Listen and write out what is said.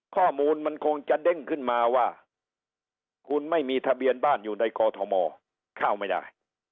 ข้อมูลมันคงจะเด้งขึ้นมาว่าคุณไม่มีทะเบียนบ้านอยู่ในกอทมเข้าไม่ได้